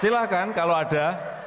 silahkan kalau ada